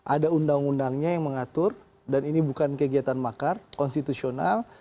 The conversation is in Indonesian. ada undang undangnya yang mengatur dan ini bukan kegiatan makar konstitusional